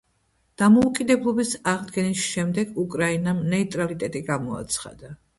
დამოუკიდებლობის აღდგენის შემდეგ უკრაინამ ნეიტრალიტეტი გამოაცხადა.